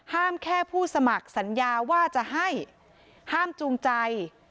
แค่ผู้สมัครสัญญาว่าจะให้ห้ามจูงใจ